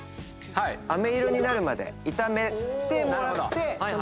飴色になるまで炒めてもらって。